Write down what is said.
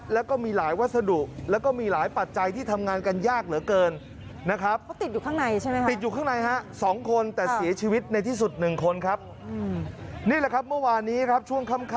แล้วก็มีหลายวัสดุแล้วก็มีหลายปัจจัย